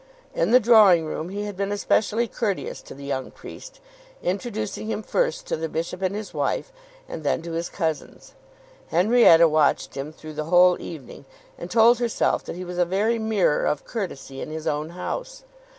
In the drawing room he had been especially courteous to the young priest, introducing him first to the bishop and his wife, and then to his cousins. Henrietta watched him through the whole evening, and told herself that he was a very mirror of courtesy in his own house.